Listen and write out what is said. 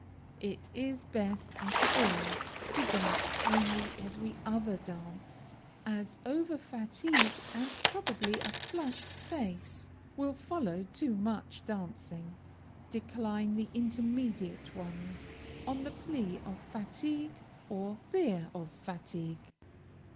It is best at a ball, to dance only every other dance, as over fatigue, and probably a flushed face, will follow too much dancing. Decline the intermediate ones, on the plea of fatigue, or fear of fatigue.